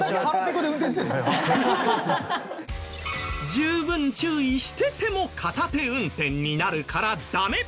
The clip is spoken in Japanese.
十分注意してても片手運転になるからダメ！